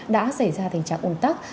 đã xảy ra tình trạng ồn tắc